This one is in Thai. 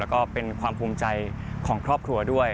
แล้วก็เป็นความภูมิใจของครอบครัวด้วย